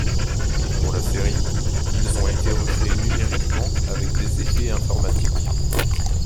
Pour la série, ils ont été recréés numériquement avec des effets informatiques.